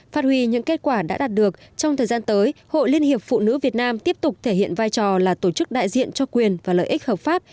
phát huy những kết quả đã đạt được trong thời gian tới hội liên hiệp phụ nữ việt nam tiếp tục thể hiện vai trò là tổ chức đại diện cho quyền và lợi ích hợp pháp